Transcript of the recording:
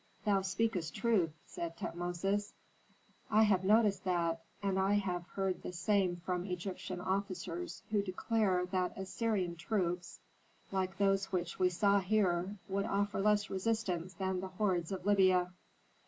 '" "Thou speakest truth," said Tutmosis. "I have noticed that, and I have heard the same from Egyptian officers who declare that Assyrian troops, like those which we saw here, would offer less resistance than the hordes of Libya."